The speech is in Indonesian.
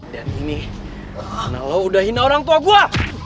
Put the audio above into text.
dan ini karena lo udah hina orang tua gue